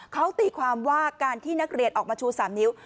เขาตีความว่าการที่นักเรียนออกมาชู๓นิ้ว